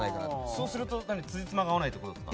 そうすると、つじつまが合わないということですか？